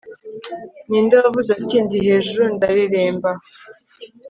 ninde wavuze ati 'ndi hejuru, ndareremba